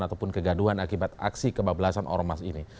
ataupun kegaduhan akibat aksi kebab belasan ormas ini